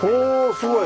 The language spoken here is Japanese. すごい。